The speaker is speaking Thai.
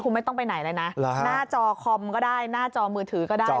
คุณไม่ต้องไปไหนเลยนะหน้าจอคอมก็ได้หน้าจอมือถือก็ได้